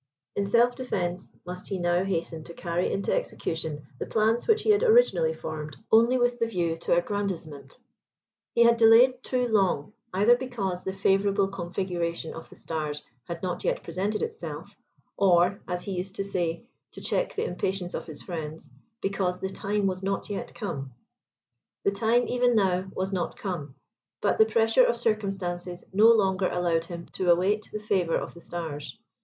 In self defence, must he now hasten to carry into execution the plans which he had originally formed only with the view to aggrandizement. He had delayed too long, either because the favourable configuration of the stars had not yet presented itself, or, as he used to say, to check the impatience of his friends, because THE TIME WAS NOT YET COME. The time, even now, was not come: but the pressure of circumstances no longer allowed him to await the favour of the stars.